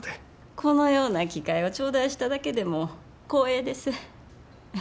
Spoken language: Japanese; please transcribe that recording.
このような機会を頂戴しただけでも光栄です。